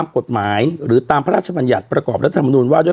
กฎหมายหรือตามพระราชบัญญัติประกอบรัฐมนุนว่าด้วย